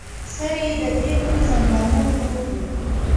سر یې د دې پر زنګانه پروت و.